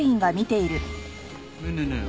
ねえねえねえ。